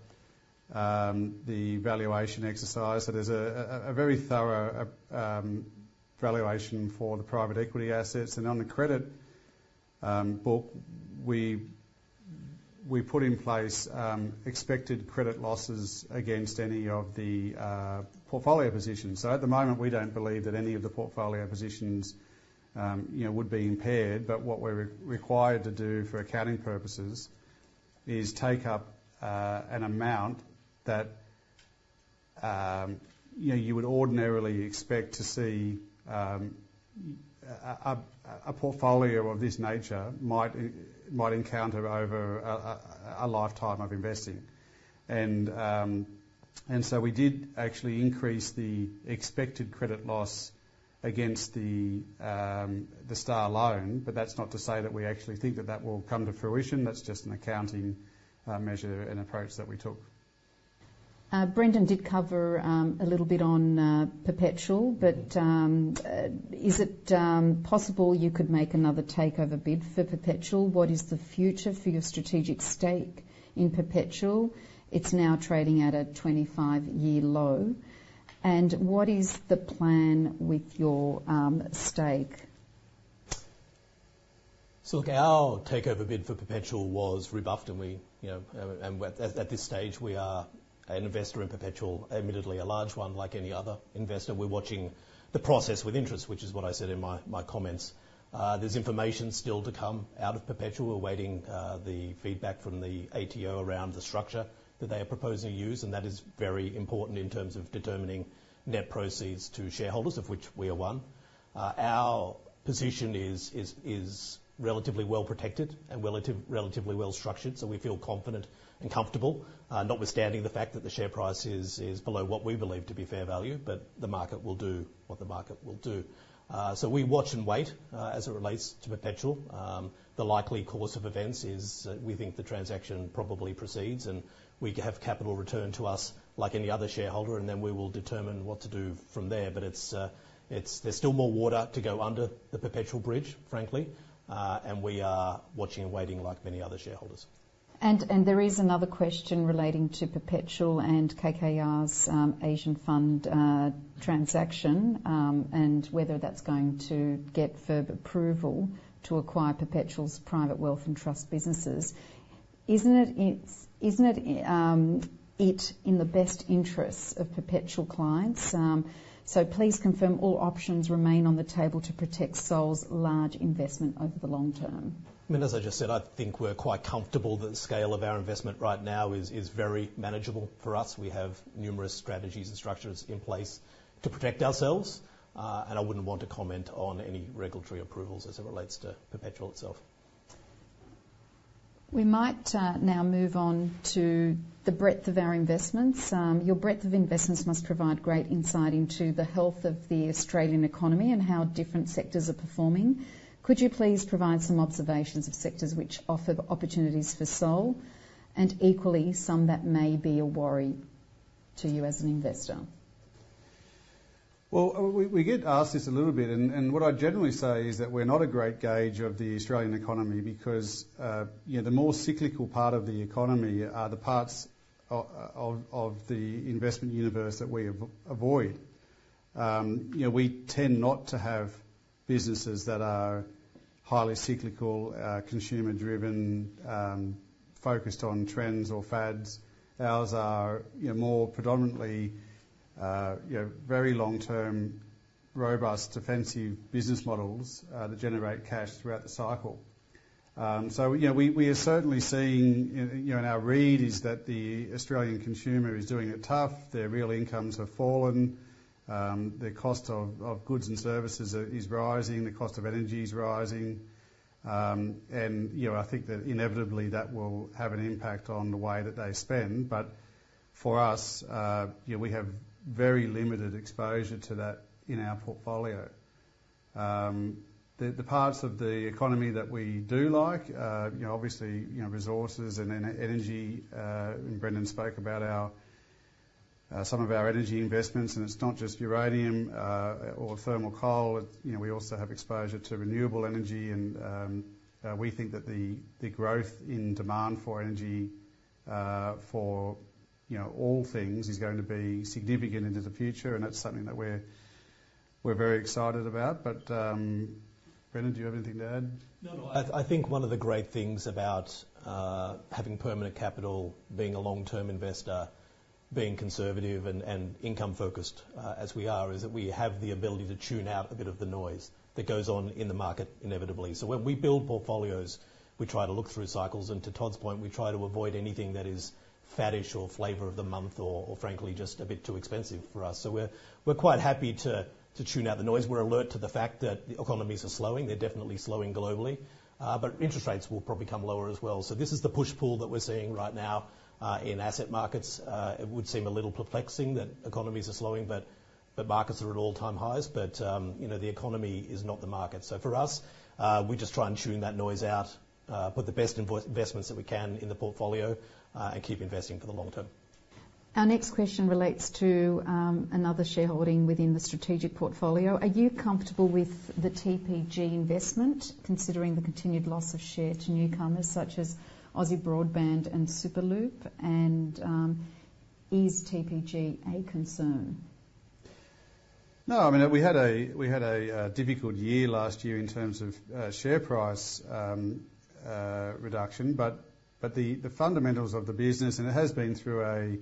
the valuation exercise, so there's a very thorough valuation for the private equity assets. And on the credit book, we put in place expected credit losses against any of the portfolio positions. So at the moment, we don't believe that any of the portfolio positions, you know, would be impaired. But what we're required to do for accounting purposes is take up an amount that, you know, you would ordinarily expect to see a portfolio of this nature might encounter over a lifetime of investing. And so we did actually increase the expected credit loss against the Star loan, but that's not to say that we actually think that that will come to fruition. That's just an accounting measure and approach that we took. Brendan did cover a little bit on Perpetual, but is it possible you could make another takeover bid for Perpetual? What is the future for your strategic stake in Perpetual? It's now trading at a twenty-five-year low. And what is the plan with your stake? So look, our takeover bid for Perpetual was rebuffed, and we, you know, and at this stage, we are an investor in Perpetual, admittedly a large one. Like any other investor, we're watching the process with interest, which is what I said in my, my comments. There's information still to come out of Perpetual. We're awaiting the feedback from the ATO around the structure that they are proposing to use, and that is very important in terms of determining net proceeds to shareholders, of which we are one. Our position is relatively well protected and relatively well structured, so we feel confident and comfortable, notwithstanding the fact that the share price is below what we believe to be fair value, but the market will do what the market will do. So we watch and wait as it relates to Perpetual. The likely course of events is that we think the transaction probably proceeds, and we have capital returned to us like any other shareholder, and then we will determine what to do from there. But it's, there's still more water to go under the Perpetual bridge, frankly. And we are watching and waiting like many other shareholders. There is another question relating to Perpetual and KKR's Asian fund transaction, and whether that's going to get further approval to acquire Perpetual's private wealth and trust businesses. Isn't it in the best interests of Perpetual clients? So please confirm all options remain on the table to protect SOL's large investment over the long term. I mean, as I just said, I think we're quite comfortable that the scale of our investment right now is very manageable for us. We have numerous strategies and structures in place to protect ourselves, and I wouldn't want to comment on any regulatory approvals as it relates to Perpetual itself. We might now move on to the breadth of our investments. Your breadth of investments must provide great insight into the health of the Australian economy and how different sectors are performing. Could you please provide some observations of sectors which offer the opportunities for SOL, and equally, some that may be a worry to you as an investor? We get asked this a little bit, and what I generally say is that we're not a great gauge of the Australian economy because, you know, the more cyclical part of the economy are the parts of the investment universe that we avoid. You know, we tend not to have businesses that are highly cyclical, consumer driven, focused on trends or fads. Ours are, you know, more predominantly, you know, very long-term, robust, defensive business models that generate cash throughout the cycle. So, you know, we are certainly seeing. You know, and our read is that the Australian consumer is doing it tough. Their real incomes have fallen. The cost of goods and services is rising, the cost of energy is rising. And you know, I think that inevitably, that will have an impact on the way that they spend. But for us, you know, we have very limited exposure to that in our portfolio. The parts of the economy that we do like, you know, obviously, you know, resources and energy. Brendan spoke about some of our energy investments, and it's not just uranium or thermal coal. You know, we also have exposure to renewable energy, and we think that the growth in demand for energy for, you know, all things is going to be significant into the future, and that's something that we're very excited about. But, Brendan, do you have anything to add? No, no. I think one of the great things about having permanent capital, being a long-term investor, being conservative and income-focused as we are, is that we have the ability to tune out a bit of the noise that goes on in the market inevitably. So when we build portfolios, we try to look through cycles, and to Todd's point, we try to avoid anything that is faddish or flavor of the month or frankly, just a bit too expensive for us. So we're quite happy to tune out the noise. We're alert to the fact that the economies are slowing. They're definitely slowing globally, but interest rates will probably come lower as well. So this is the push-pull that we're seeing right now in asset markets. It would seem a little perplexing that economies are slowing, but markets are at all-time highs. But you know, the economy is not the market. So for us, we just try and tune that noise out, put the best investments that we can in the portfolio, and keep investing for the long term. ... Our next question relates to, another shareholding within the strategic portfolio. Are you comfortable with the TPG investment, considering the continued loss of share to newcomers such as Aussie Broadband and Superloop? And, is TPG a concern? No, I mean, we had a difficult year last year in terms of share price reduction. But the fundamentals of the business, and it has been through a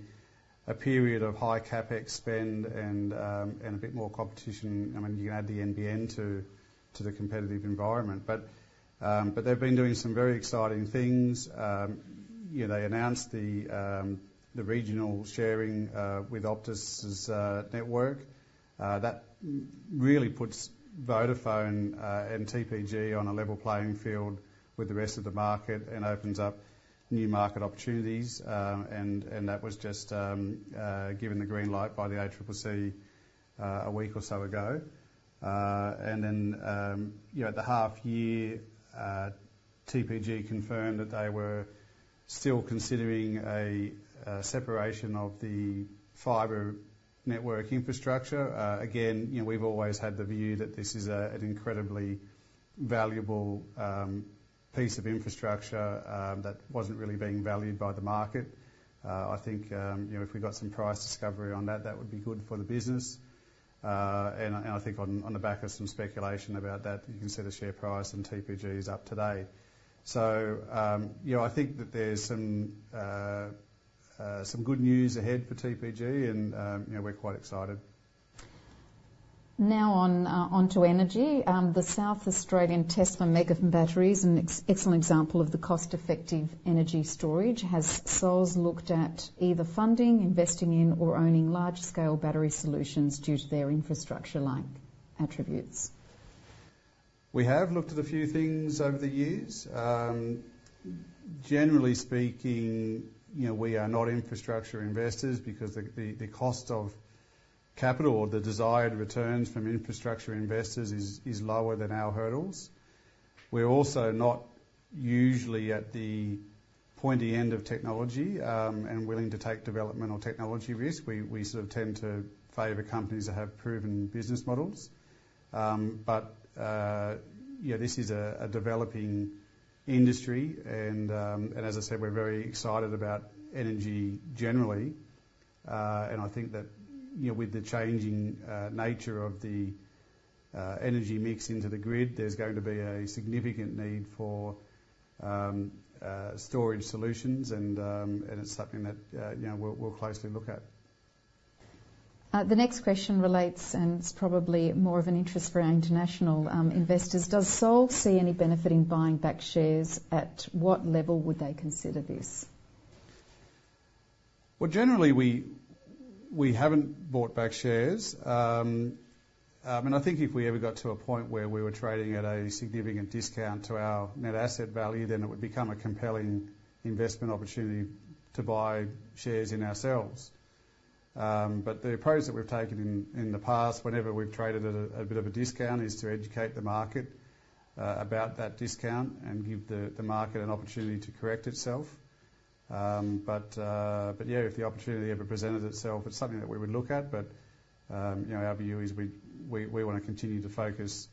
period of high CapEx spend and a bit more competition. I mean, you add the NBN to the competitive environment. But they've been doing some very exciting things. You know, they announced the regional sharing with Optus's network. That really puts Vodafone and TPG on a level playing field with the rest of the market and opens up new market opportunities. And that was just given the green light by the ACCC a week or so ago. And then, you know, at the half year, TPG confirmed that they were still considering a separation of the fiber network infrastructure. Again, you know, we've always had the view that this is an incredibly valuable piece of infrastructure that wasn't really being valued by the market. I think, you know, if we got some price discovery on that, that would be good for the business. And I think on the back of some speculation about that, you can see the share price, and TPG is up today. So, you know, I think that there's some good news ahead for TPG, and, you know, we're quite excited. Now on, onto energy. The South Australian test for megawatt batteries is an excellent example of the cost-effective energy storage. Has Sols looked at either funding, investing in, or owning large-scale battery solutions due to their infrastructure-like attributes? We have looked at a few things over the years. Generally speaking, you know, we are not infrastructure investors, because the cost of capital or the desired returns from infrastructure investors is lower than our hurdles. We're also not usually at the pointy end of technology, and willing to take developmental technology risk. We sort of tend to favor companies that have proven business models. But, you know, this is a developing industry, and as I said, we're very excited about energy generally. And I think that, you know, with the changing nature of the energy mix into the grid, there's going to be a significant need for storage solutions, and it's something that, you know, we'll closely look at. The next question relates, and it's probably more of an interest for our international investors. Does SOL see any benefit in buying back shares? At what level would they consider this? Generally, we haven't bought back shares. And I think if we ever got to a point where we were trading at a significant discount to our net asset value, then it would become a compelling investment opportunity to buy shares in ourselves. But the approach that we've taken in the past, whenever we've traded at a bit of a discount, is to educate the market about that discount and give the market an opportunity to correct itself. But yeah, if the opportunity ever presented itself, it's something that we would look at. But you know, our view is we wanna continue to focus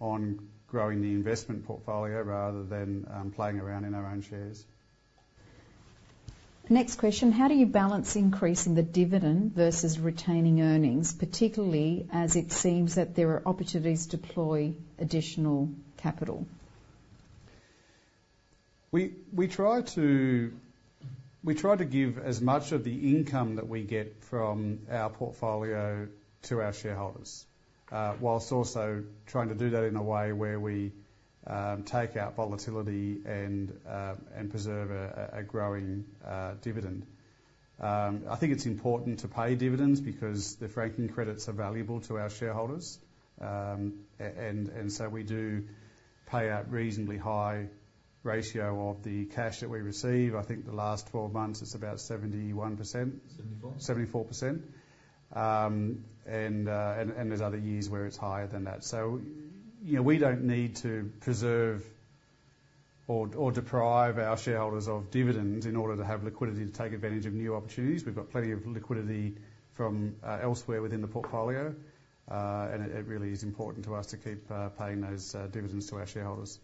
on growing the investment portfolio rather than playing around in our own shares. Next question: How do you balance increasing the dividend versus retaining earnings, particularly as it seems that there are opportunities to deploy additional capital? We try to give as much of the income that we get from our portfolio to our shareholders, while also trying to do that in a way where we take out volatility and preserve a growing dividend. I think it's important to pay dividends, because the franking credits are valuable to our shareholders. And so we do pay out a reasonably high ratio of the cash that we receive. I think the last 12 months, it's about 71%. Seventy-four. 74%. And there's other years where it's higher than that. You know, we don't need to preserve or deprive our shareholders of dividends in order to have liquidity to take advantage of new opportunities. We've got plenty of liquidity from elsewhere within the portfolio. And it really is important to us to keep paying those dividends to our shareholders.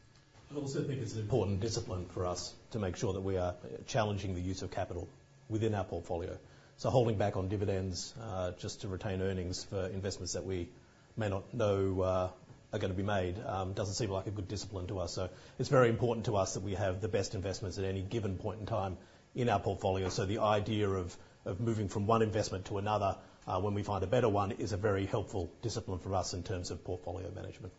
I also think it's an important discipline for us to make sure that we are challenging the use of capital within our portfolio. So holding back on dividends just to retain earnings for investments that we may not know are gonna be made doesn't seem like a good discipline to us. So it's very important to us that we have the best investments at any given point in time in our portfolio. So the idea of, of moving from one investment to another when we find a better one is a very helpful discipline for us in terms of portfolio management.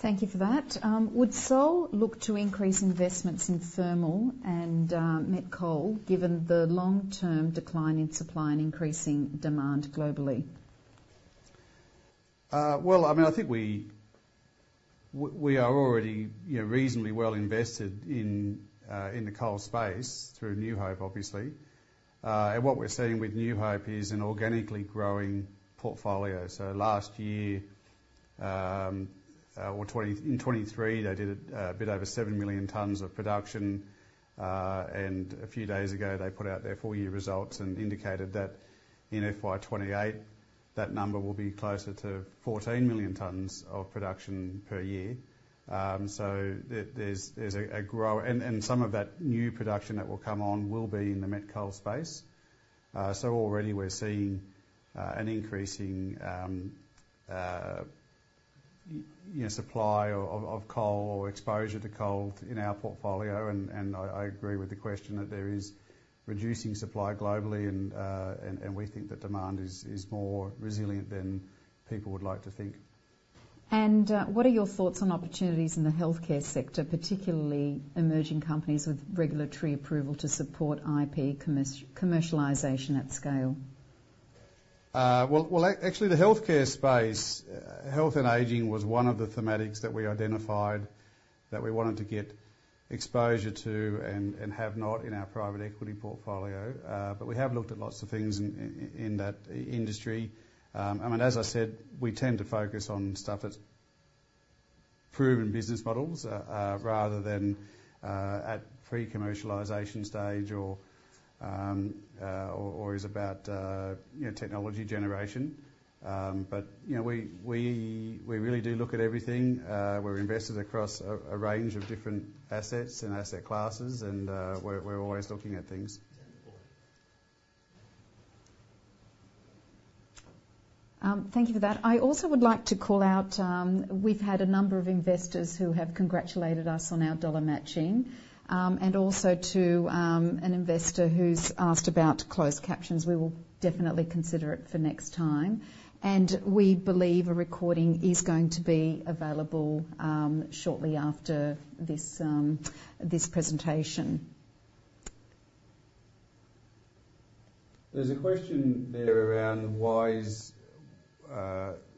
Thank you for that. Would SOL look to increase investments in thermal and met coal, given the long-term decline in supply and increasing demand globally? I mean, I think we are already, you know, reasonably well invested in the coal space through New Hope, obviously. What we're seeing with New Hope is an organically growing portfolio. In 2023, they did a bit over seven million tons of production. A few days ago, they put out their full year results and indicated that in FY 2028, that number will be closer to 14 million tons of production per year. So there's growth. Some of that new production that will come on will be in the met coal space. Already we're seeing an increasing, you know, supply of coal or exposure to coal in our portfolio. I agree with the question that there is reducing supply globally, and we think that demand is more resilient than people would like to think. What are your thoughts on opportunities in the healthcare sector, particularly emerging companies with regulatory approval to support IP commercialization at scale? Actually, the healthcare space, health and aging was one of the thematics that we identified that we wanted to get exposure to and have not in our private equity portfolio. But we have looked at lots of things in that industry. I mean, as I said, we tend to focus on stuff that's proven business models rather than at pre-commercialization stage or is about, you know, technology generation. But you know, we really do look at everything. We're invested across a range of different assets and asset classes, and we're always looking at things. Thank you for that. I also would like to call out, we've had a number of investors who have congratulated us on our dollar matching, and also to an investor who's asked about closed captions. We will definitely consider it for next time, and we believe a recording is going to be available shortly after this presentation. There's a question there around why is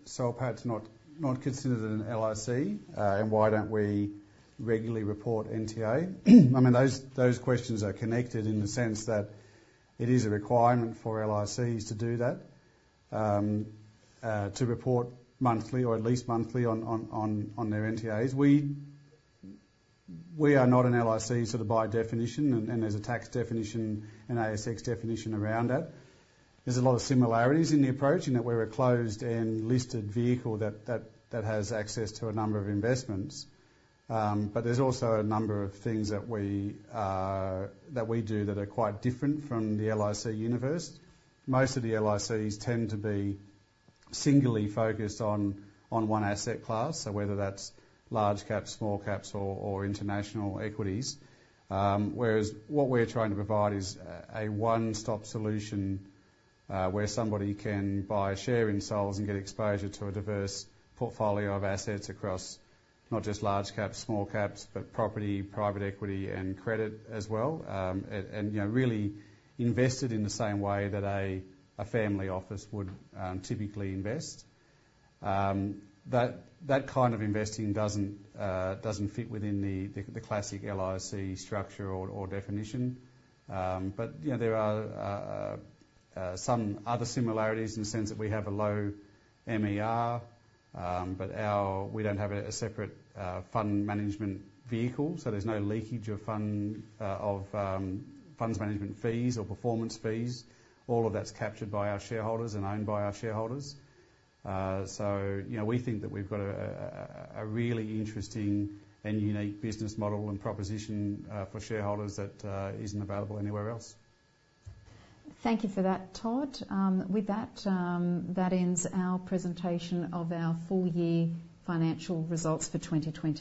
Soul Patts not considered an LIC, and why don't we regularly report NTA? I mean, those questions are connected in the sense that it is a requirement for LICs to do that, to report monthly, or at least monthly on their NTAs. We are not an LIC, sort of by definition, and there's a tax definition and ASX definition around that. There's a lot of similarities in the approach, in that we're a closed and listed vehicle that has access to a number of investments, but there's also a number of things that we do that are quite different from the LIC universe. Most of the LICs tend to be singularly focused on one asset class, so whether that's large caps, small caps or international equities. Whereas what we're trying to provide is a one-stop solution, where somebody can buy a share in sols and get exposure to a diverse portfolio of assets across not just large caps, small caps, but property, private equity, and credit as well, and you know, really invested in the same way that a family office would typically invest. That kind of investing doesn't fit within the classic LIC structure or definition, but you know, there are some other similarities in the sense that we have a low MER, but our... We don't have a separate fund management vehicle, so there's no leakage of funds management fees or performance fees. All of that's captured by our shareholders and owned by our shareholders. So, you know, we think that we've got a really interesting and unique business model and proposition for shareholders that isn't available anywhere else. Thank you for that, Todd. With that, that ends our presentation of our full year financial results for 2023.